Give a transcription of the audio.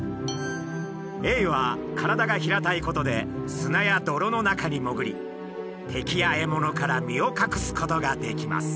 エイは体が平たいことで砂や泥の中に潜り敵や獲物から身を隠すことができます。